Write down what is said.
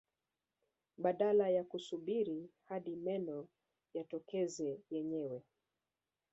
Badala ya kusubiri hadi meno yatokeze yenyewe